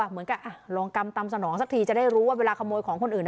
เหมือนกับลองกำตำสนองสักทีจะได้รู้ว่าเวลาขโมยของคนอื่น